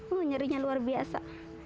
uh nyerinya luar biasa